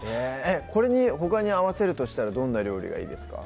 これにほかに合わせるとしたらどんな料理がいいですか？